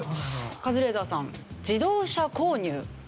カズレーザーさん自動車購入。